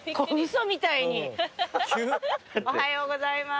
おはようございます。